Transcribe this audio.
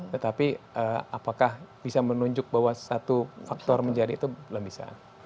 tetapi apakah bisa menunjuk bahwa satu faktor menjadi itu belum bisa